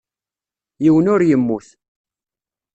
Yiwen ur yemmut.